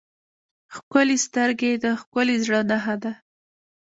ښکلي سترګې د ښکلي زړه نښه ده.